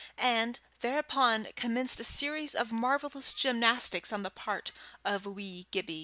And thereupon commenced a series of marvellous gymnastics on the part of wee Gibbie.